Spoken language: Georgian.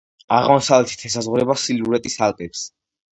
აღმოსავლეთით ესაზღვრება სილვრეტის ალპებს.